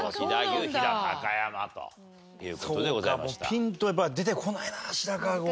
ピンとやっぱり出てこないな白川郷。